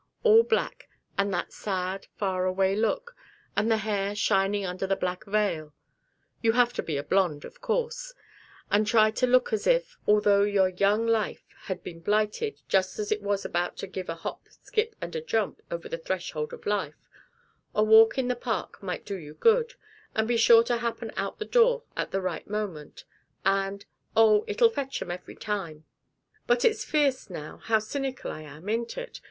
All black, and that sad, faraway look, and the hair shining under the black veil (you have to be a blonde, of course), and try to look as if, although your young life had been blighted just as it was about to give a hop skip and a jump over the threshold of life, a walk in the park might do you good, and be sure to happen out the door at the right moment, and oh, it'll fetch 'em every time. But it's fierce, now, how cynical I am, ain't it?